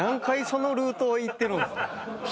そのルートを行ってるんですか。